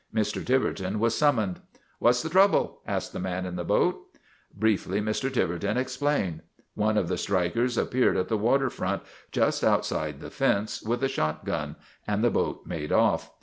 Mr. Tiverton was summoned. "What's the trouble?" asked the man in the boat. Briefly Mr. Tiverton explained. One of the strikers appeared at the water front, just outside the fence, with a shotgun, and the boat made off.